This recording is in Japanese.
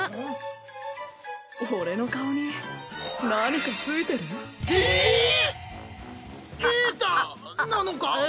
俺の顔に何かついてる？え！？ケータなのか？